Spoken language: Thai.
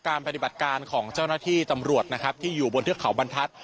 ปฏิบัติการของเจ้าหน้าที่ตำรวจนะครับที่อยู่บนเทือกเขาบรรทัศน